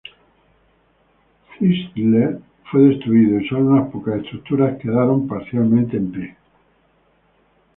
Thistle fue destruido, y sólo unas pocas estructuras quedaron parcialmente en pie.